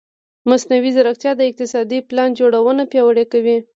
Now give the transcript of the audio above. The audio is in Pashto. مصنوعي ځیرکتیا د اقتصادي پلان جوړونه پیاوړې کوي.